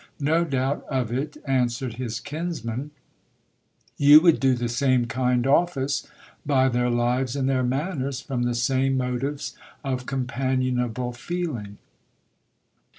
No doubt of it, answered his kinsman, you would do the same kind office by their lives and their manners, from the same motives of companionable feeling.